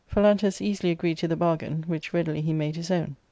Phalantus easily agreed to the bargain, which readily he made his \pwn.